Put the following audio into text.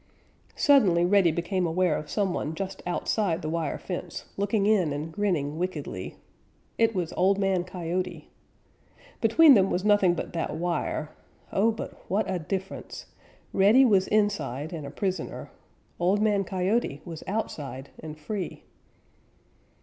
Suddenly Reddy became aware of some one just outside the wire fence, looking in and grinning wickedly. It was Old Man Coyote. Between them was nothing but that wire, but, oh, what a difference! Reddy was inside and a prisoner. Old Man Coyote was outside and free.